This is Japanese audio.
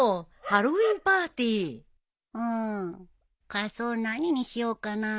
仮装何にしようかなあ。